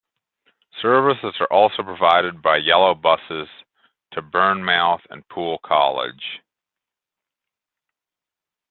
Services are also provided by Yellow Buses to Bournemouth and Poole College.